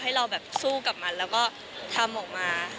ให้เราแบบสู้กับมันแล้วก็ทำออกมา